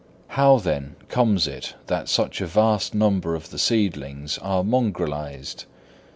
How, then, comes it that such a vast number of the seedlings are mongrelized?